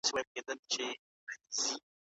لا خبر په راتلو نه یو چې په تله یو